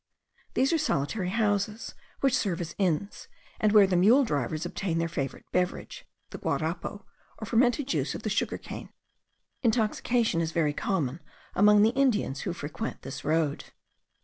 These are solitary houses, which serve as inns, and where the mule drivers obtain their favourite beverage, the guarapo, or fermented juice of the sugar cane: intoxication is very common among the Indians who frequent this road.